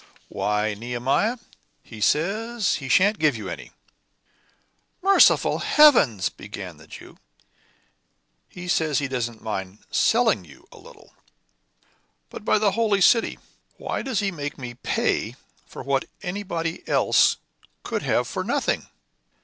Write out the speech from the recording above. "Why, Nehemiah, he says he shan't give you any." "Merciful heavens!" began the Jew. "He says he doesn't mind selling you a little." "But, by the holy city, why does he make me pay for what anybody else could have for nothing?"